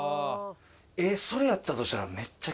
えっそれやったとしたら。